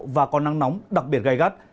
và có nắng nóng đặc biệt gai gắt